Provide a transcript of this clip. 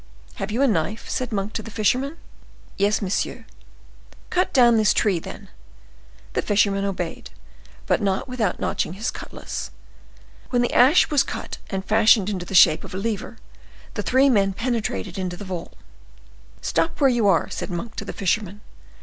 "Have you a knife?" said Monk to the fisherman. "Yes, monsieur." "Cut down this tree, then." The fisherman obeyed, but not without notching his cutlass. When the ash was cut and fashioned into the shape of a lever, the three men penetrated into the vault. "Stop where you are," said Monk to the fisherman.